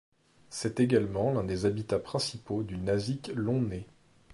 C'est également l'un des habitats principaux du nasique Long nez.